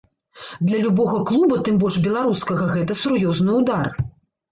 Для любога клуба, тым больш беларускага, гэта сур'ёзны ўдар.